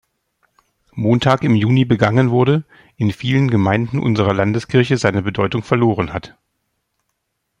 Montag im Juni begangen wurde, in vielen Gemeinden unserer Landeskirche seine Bedeutung verloren hat“".